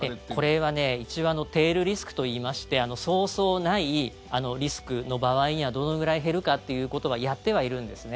これは一応、テールリスクといいましてそうそうないリスクの場合にはどのぐらい減るかっていうことはやってはいるんですね。